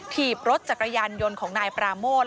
ถีบรถจักรยานยนต์ของนายปราโมท